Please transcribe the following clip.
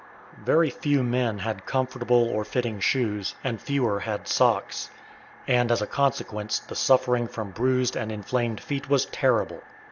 Very few men had comfortable or fitting shoes, and fewer had socks, and, as a consequence, the suffering from bruised and inflamed feet was terrible.